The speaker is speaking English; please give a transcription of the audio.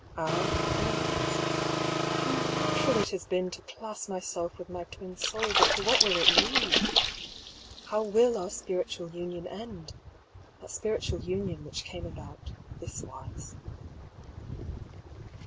Our enemies? How natural it has been to class my self with my twin soul ; but to what will it lead ? How will our spiritual union end? That spiritual union which came about this wise.